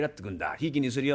ひいきにするよ。